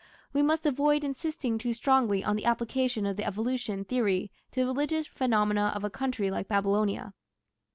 We must avoid insisting too strongly on the application of the evolution theory to the religious phenomena of a country like Babylonia.